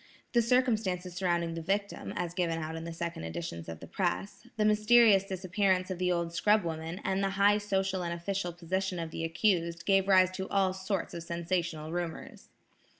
The circumstances surrounding the victim, as given out in the second editions of the press, the mysterious disappearance of the old scrub woman and the high social and official position of the accused, gave rise to all sorts of sensational rumors.